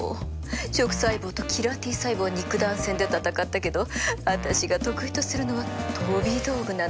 食細胞とキラーＴ細胞は肉弾戦で闘ったけど私が得意とするのは飛び道具なの。